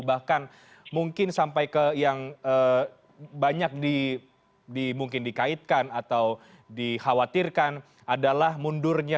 bahkan mungkin sampai ke yang banyak mungkin dikaitkan atau dikhawatirkan adalah mundurnya